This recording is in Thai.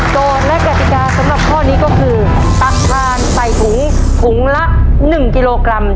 และกติกาสำหรับข้อนี้ก็คือตักทานใส่ถุงถุงละ๑กิโลกรัม